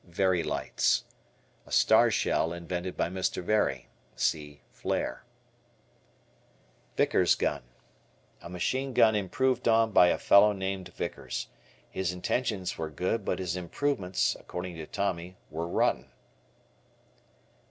Very Lights. A star shell invented by Mr. Very. See Flare. Vickers Gun. A machine gun improved on by a fellow named Vickers. His intentions were good but his improvements, according to Tommy, were "rotten."